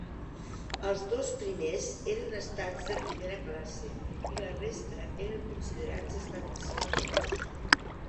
Els dos primers eren estats de primera classe i la resta eren considerats estats menors.